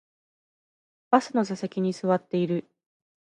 バスの座席に座っている